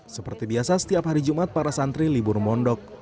seperti biasa setiap hari jumat para santri libur mondok